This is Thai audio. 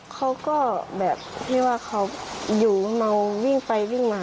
เขาก็แบบที่ว่าเขาอยู่เมาวิ่งไปวิ่งมา